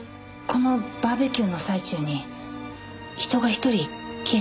このバーベキューの最中に人が一人消えたんです。